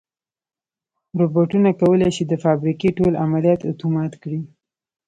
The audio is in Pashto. روبوټونه کولی شي د فابریکې ټول عملیات اتومات کړي.